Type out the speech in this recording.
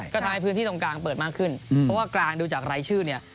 ก็ทำให้พื้นที่ตรงกลางเปิดมากขึ้นเพราะว่ากลางดูจากรายชื่อเนี่ย